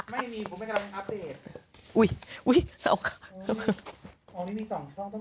ไม่มีผมไม่กระดับอัพเดทอุ้ยอุ้ยเอาของนี่มีสองช่องต้อง